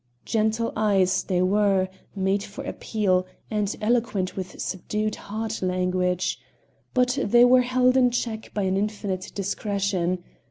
Gentle eyes they were, made for appeal, and eloquent with a subdued heart language. But they were held in check by an infinite discretion.